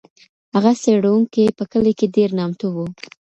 هغه څېړونکی په کلي کې ډېر نامتو و.